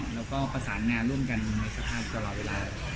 แล้วก็ประสานงานร่วมกันในสภาพตลอดเวลา